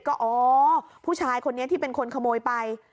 ก็อ๋อผู้ชายคนนี้ที่เป็นคนขโมยไป